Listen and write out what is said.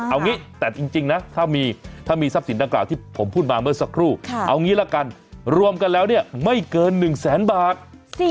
เอางี้แต่จริงนะถ้ามีทรัพย์สินดังกล่าวที่ผมพูดมาเมื่อสักครู่เอางี้ละกันรวมกันแล้วเนี่ยไม่เกิน๑แสนบาท